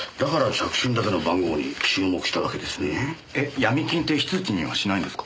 ヤミ金って非通知にはしないんですか？